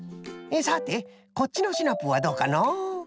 さてこっちのシナプーはどうかのう？